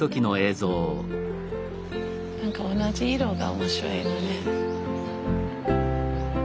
何か同じ色が面白いよね。